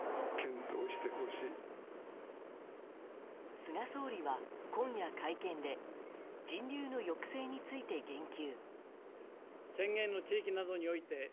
菅総理は今夜、会見で人流の抑制について言及。